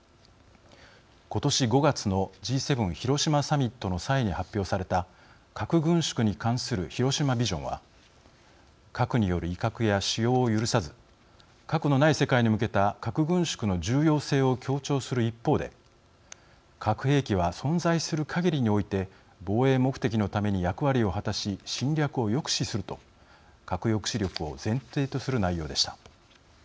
今年５月のＧ７広島サミットの際に発表された核軍縮に関する広島ビジョンは核による威嚇や使用を許さず核のない世界に向けた核軍縮の重要性を強調する一方で核兵器は存在するかぎりにおいて防衛目的のために役割を果たし侵略を抑止すると核抑止力を前提とする内容でした。